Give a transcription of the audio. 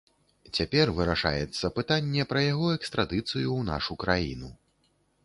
Цяпер вырашаецца пытанне пра яго экстрадыцыю ў нашу краіну.